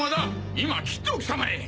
今は切っておきたまえ！